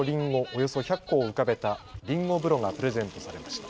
およそ１００個を浮かべたりんご風呂がプレゼントされました。